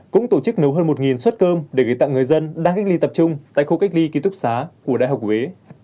cũng tổ chức nấu hơn một suất cơm để gửi tặng người dân đang cách ly tập trung tại khu cách ly ký túc xá của đại học huế